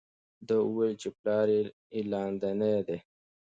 ده وویل چې پلار یې لادیني دی.